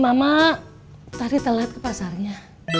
mama tari telat ke pasarnya